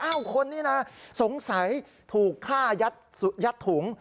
คนนี้นะสงสัยถูกฆ่ายัดถุง